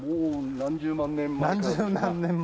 何十万年前。